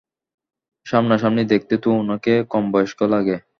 সামনাসামনি দেখতে তো উনাকে কমবয়স্ক লাগে!